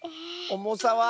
おもさは？